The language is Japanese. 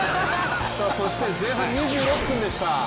そして前半２６分でした。